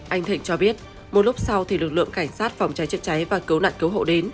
anh thịnh cho biết một lúc sau thì lực lượng cảnh sát phòng cháy chữa cháy và cứu nạn cứu hộ đến